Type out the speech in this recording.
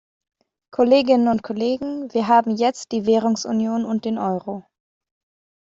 Kolleginnen und Kollegen, wir haben jetzt die Währungsunion und den Euro.